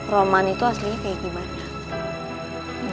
roman itu aslinya kayak gimana